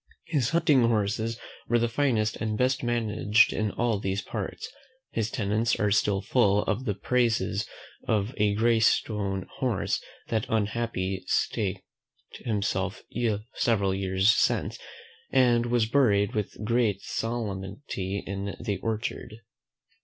His hunting horses were the finest and best managed in all these parts: his tenants are still full of the praises of a gray stone horse that unhappily staked himself several years since, and was buried with great solemnity in the orchard.